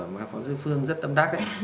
mà phó giáo sư hương phương rất tâm đắc đấy